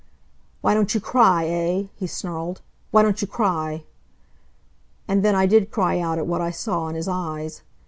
"Why don't you cry, eh?" he snarled. "Why don't you cry!" And then I did cry out at what I saw in his eyes.